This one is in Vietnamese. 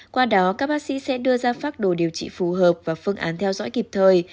qua đó các bác sĩ sẽ đưa ra pháp đồ điều trị phù hợp và phương án theo dõi kịp thời